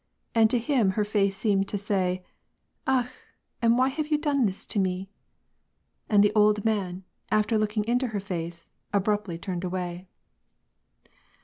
and to him her face seemed to say,— " Akh ! and why have you done this to me ?" And the old man, after looking into her face, abruptly turned away.